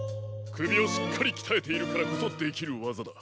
くびをしっかりきたえているからこそできるわざだ。